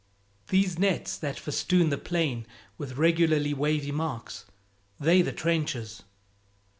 These nets that festoon the plain with regularly wavy marks, they're the trenches.